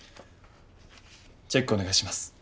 チェックお願いします。